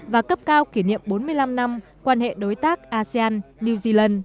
và cấp cao kỷ niệm bốn mươi năm năm quan hệ đối tác asean new zealand